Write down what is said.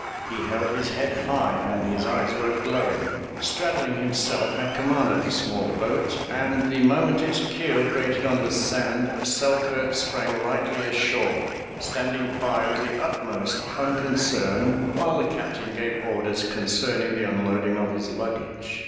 He held his head high and his eyes were glowing. Straddling himself had command of the small boat, and the moment its keel grated on the sand, Selkirk sprang lightly ashore, standing by with the utmost unconcern while the Captain gave orders concerning the unloading of his luggage.